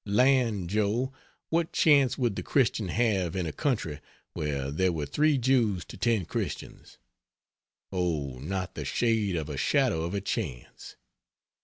Land, Joe, what chance would the Christian have in a country where there were 3 Jews to 10 Christians! Oh, not the shade of a shadow of a chance.